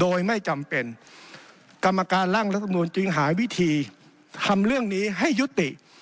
โดยไม่จำเป็นกรรมการร่างรัฐมนุนจึงหาวิธีทำเรื่องนี้ให้ยุติ